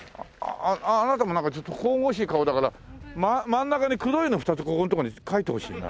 あなたもなんかちょっと神々しい顔だから真ん中に黒いの２つここのとこに書いてほしいな。